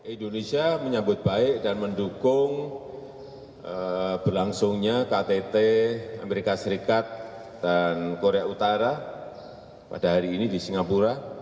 indonesia menyambut baik dan mendukung berlangsungnya ktt amerika serikat dan korea utara pada hari ini di singapura